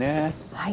はい。